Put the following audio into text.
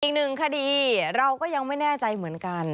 อีกหนึ่งคดีเราก็ยังไม่แน่ใจเหมือนกัน